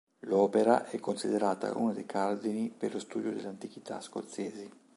L'opera è considerata uno dei cardini per lo studio delle antichità scozzesi.